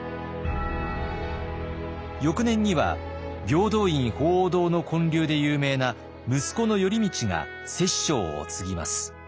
翌年には平等院鳳凰堂の建立で有名な息子の頼通が摂政を継ぎます。